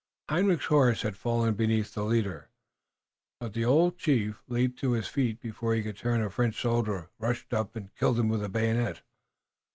Hendrik's horse had fallen beneath the leader, but the old chief leaped to his feet. Before he could turn a French soldier rushed up and killed him with a bayonet.